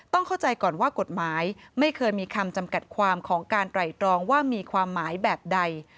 เข้าใจก่อนว่ากฎหมายไม่เคยมีคำจำกัดความของการไตรตรองว่ามีความหมายแบบใด